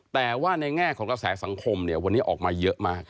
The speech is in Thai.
แต่ว่าในแง่ของกระแสสังคมเนี่ยวันนี้ออกมาเยอะมาก